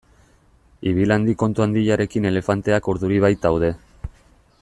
Ibil hadi kontu handiarekin elefanteak urduri baitaude.